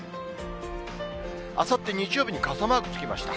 あさって日曜日に傘マークがつきました。